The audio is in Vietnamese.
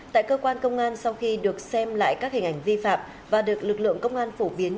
tại cơ quan công an sau khi được xem lại các hình ảnh vi phạm và được lực lượng công an phổ biến